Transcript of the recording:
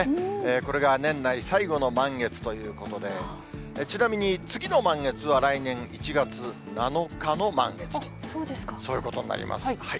これが年内最後の満月ということで、ちなみに次の満月は、来年１月７日の満月と、そういうことになります。